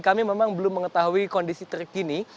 kami memang belum mengetahui kondisi terkini